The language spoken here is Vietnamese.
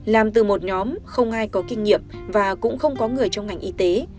làm từ một nhóm không ai có kinh nghiệm và cũng không có người trong ngành y tế